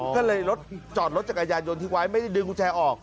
ก็เลยรถจอดรถจักรยานยนต์ทิ้งไว้ไม่ได้ดึงกุญแจออก